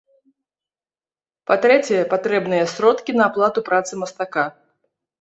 Па-трэцяе, патрэбныя сродкі на аплату працы мастака.